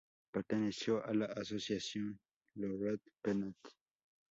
Perteneció a la asociación Lo Rat Penat.